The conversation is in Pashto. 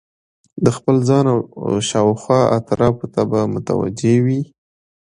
د خپل ځان او شاوخوا اطرافو ته به متوجه وي